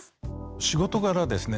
仕事柄ですね